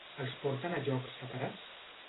Els porten a llocs separats?